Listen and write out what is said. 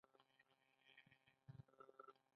د اوړو بیه ولې بدلیږي؟